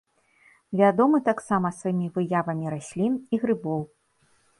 Вядомы таксама сваімі выявамі раслін і грыбоў.